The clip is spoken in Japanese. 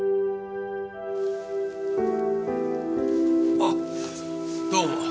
ああどうも。